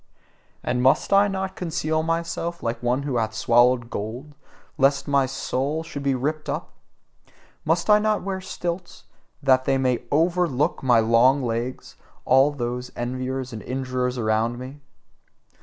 And MUST I not conceal myself like one who hath swallowed gold lest my soul should be ripped up? MUST I not wear stilts, that they may OVERLOOK my long legs all those enviers and injurers around me?